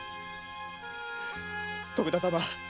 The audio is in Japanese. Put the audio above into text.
徳田様。